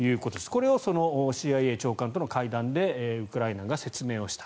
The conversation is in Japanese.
これをそのＣＩＡ長官との会談でウクライナが説明をした。